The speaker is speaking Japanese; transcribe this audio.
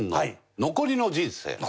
残りの人生。